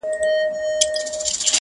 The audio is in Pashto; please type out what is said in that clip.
لا تر څو به دا سړې دا اوږدې شپې وي؛